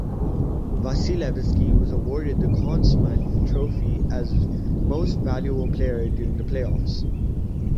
Vasilevskiy was awarded the Conn Smythe Trophy as most valuable player during the playoffs.